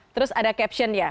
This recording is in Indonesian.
terus ada caption ya